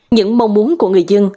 những mong muốn của người dân